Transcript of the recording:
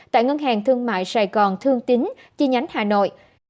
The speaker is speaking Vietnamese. tại ngân hàng thương mại sài gòn thương tín chi nhánh hà nội